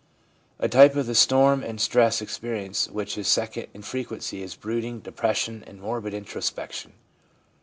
A type of the storm and stress experience which is second in frequency is brooding, depression and morbid introspection.